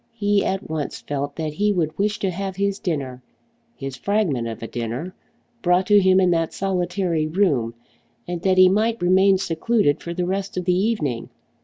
He at once felt that he would wish to have his dinner, his fragment of a dinner, brought to him in that solitary room, and that he might remain secluded for the rest of the evening.